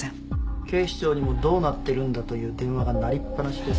警視庁にもどうなってるんだという電話が鳴りっぱなしです。